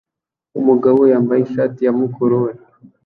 Umugabo yambaye ishati ya mukuru we